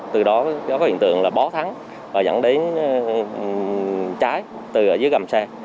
từ đó có hiện tượng là bó thắng và dẫn đến trái từ ở dưới gầm xe